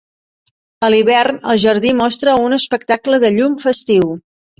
A l'hivern el jardí mostra un espectacle de llum festiu.